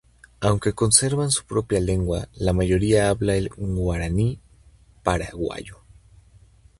Aunque conservan su propia lengua, la mayoría habla el guaraní paraguayo.